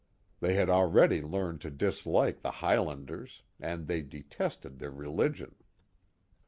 They had alteady learned to dislike the High landers, and they detested their religion.